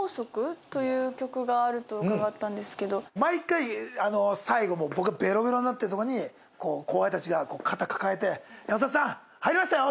毎回最後僕がベロベロになってるとこに後輩たちが肩抱えて「山里さん入りましたよ！」